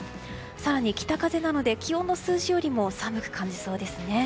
更に北風なので気温の数字よりも寒く感じそうですね。